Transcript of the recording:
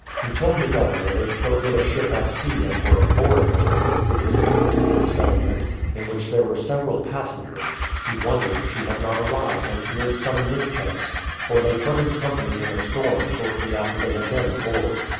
He told the Governor they spoke with a ship at sea and were aboard her, which was coming to this settlement, in which there were several passengers ; he won dered she had not arrived and feared some mischance, for they parted company in a storm shortly after they had been aboard.